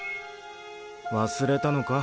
忘れたのか？